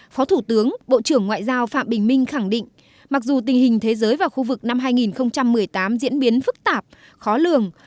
phó thủ tướng bộ trưởng ngoại giao phạm bình minh khẳng định mặc dù tình hình thế giới và khu vực năm hai nghìn một mươi tám diễn biến phức tạp khó lường